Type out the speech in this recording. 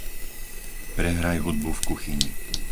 Prehraj hudbu v kuchyni.